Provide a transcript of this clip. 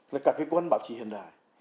với các quân bảo trì hiện đại